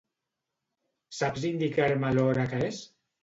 Saps indicar-me l'hora que és?